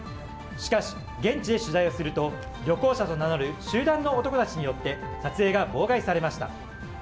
しかし現地で取材をすると旅行者と名乗る集団の男たちによって撮影が妨害されました。